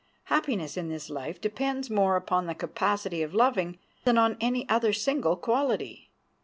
Happiness in this life depends more upon the capacity of loving than on any other single quality.